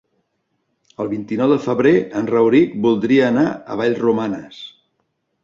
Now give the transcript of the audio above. El vint-i-nou de febrer en Rauric voldria anar a Vallromanes.